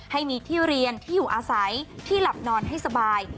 ให้มีที่เรียนที่อยู่อาศัยที่หลับนอนให้สบาย